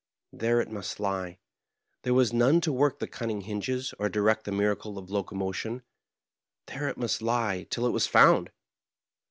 There it must lie ; there was none to work the cunning hinges or direct the miracle of locomotion — ^there it must lie till it was found.